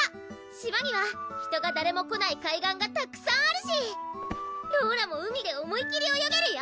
島には人が誰も来ない海岸がたくさんあるしローラも海で思いきり泳げるよ！